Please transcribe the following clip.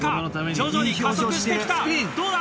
徐々に加速して来たどうだ？